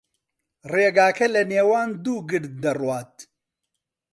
ڕێگاکە لەنێوان دوو گرد دەڕوات.